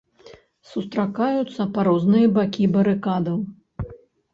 Сустракаюцца па розныя бакі барыкадаў.